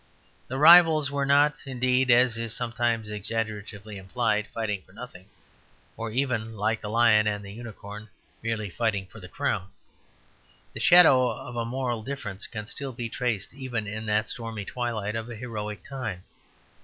The rivals were not, indeed, as is sometimes exaggeratively implied, fighting for nothing, or even (like the lion and the unicorn) merely fighting for the crown. The shadow of a moral difference can still be traced even in that stormy twilight of a heroic time.